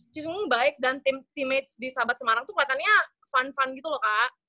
cenderung baik dan tim mage di sahabat semarang tuh kelihatannya fun fun gitu loh kak